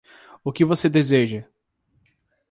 O que você deseja?